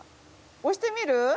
押してみる？